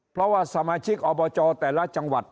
เพราะว่าสมาชิกอบจแต่ละจังหวัด